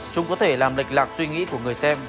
chúng có thể làm lệch lạc suy nghĩ của người xem